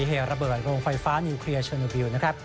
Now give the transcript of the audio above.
เหตุระเบิดโรงไฟฟ้านิวเคลียร์ชนูบิลนะครับ